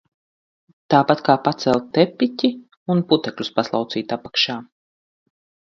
Tāpat kā pacelt tepiķi un putekļus paslaucīt apakšā.